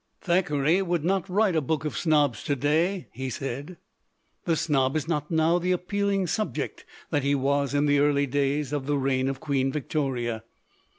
"Thackeray would not write a Book of Snobs to day," he said. "The snob is not now the ap pealing subject that he was in the early days of the reign of Queen Victoria.